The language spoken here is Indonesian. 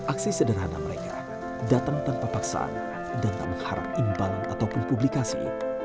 aksi sederhana mereka datang tanpa paksaan dan tak mengharap imbalan ataupun publikasi